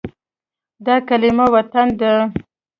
دا کلمه “وطن” ده.